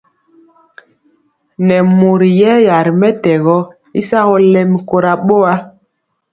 Nɛ mori yɛya ri mɛtɛgɔ y sagɔ lɛmi kora boa.